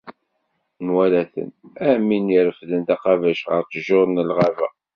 Nwala-ten, am win i refden taqabact ɣer ttjur n lɣaba.